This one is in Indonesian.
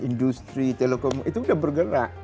industri telekomunikasi itu sudah bergerak